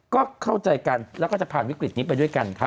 ก็เข้าใจกันแล้วก็จะผ่านวิกฤตนี้ไปด้วยกันครับ